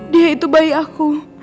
dia itu bayi aku